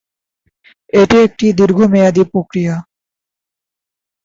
এটি একটি দীর্ঘ মেয়াদী প্রক্রিয়া।